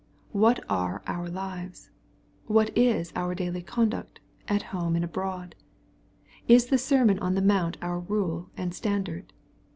— What are our lives ? What is our daily conduct, at home and abroad ? Is the Sermon on the Mount our rule and standard